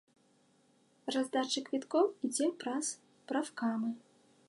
Раздача квіткоў ідзе праз прафкамы.